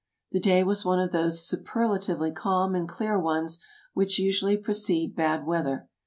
The day was one of those superlatively calm and clear ones which usually precede bad weather.